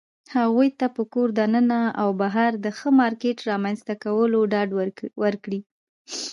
هغوى ته په کور دننه او بهر د ښه مارکيټ رامنځته کولو ډاډ ورکړى